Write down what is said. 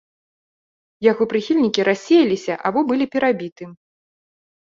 Яго прыхільнікі рассеяліся або былі перабіты.